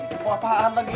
kepo apaan lagi